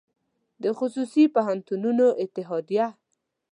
د خصوصي پوهنتونونو اتحادیه